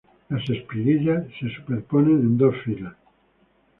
Las espiguillas se superponen en dos filas.